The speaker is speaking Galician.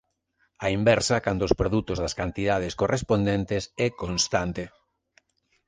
A inversa cando os produtos das cantidades correspondentes é constante.